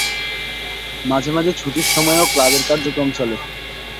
মাঝেমাঝে ছুটির সময়ও ক্লাবের কার্যক্রম চলে।